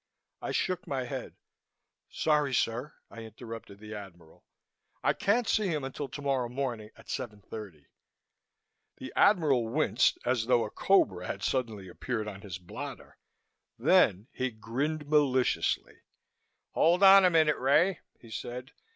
I shook my head. "Sorry sir!" I interrupted the Admiral. "I can't see him until tomorrow morning at seven thirty." The Admiral winced as though a cobra had suddenly appeared on his blotter. Then he grinned maliciously. "Hold on a minute, Ray," he said.